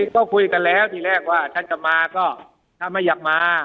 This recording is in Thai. ก็คุยกันแล้วทีแรกว่าท่านจะมาก็ถ้าไม่อยากมา